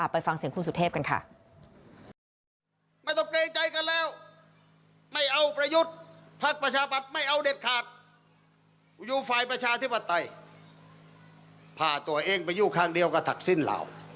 ไปฟังเสียงคุณสุเทพกันค่ะ